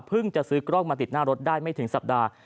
จะซื้อกล้องมาติดหน้ารถได้ไม่ถึงสัปดาห์